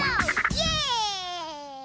イエーイ！